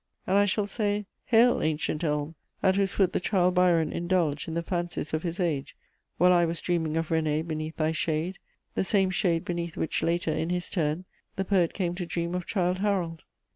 And I shall say: Hail, ancient elm, at whose foot the child Byron indulged in the fancies of his age, while I was dreaming of René beneath thy shade, the same shade beneath which later, in his turn, the poet came to dream of _Childe Harold!